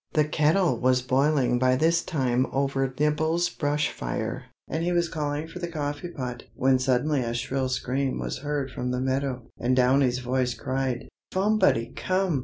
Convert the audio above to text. The kettle was boiling by this time over Nibble's brush fire, and he was calling for the coffee pot, when suddenly a shrill scream was heard from the meadow, and Downy's voice cried, "Fomebody come!